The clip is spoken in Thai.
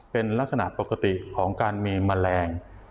เป็นลักษณะปกติของการมีแมลง